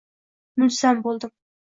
Mulzam bo‘ldim.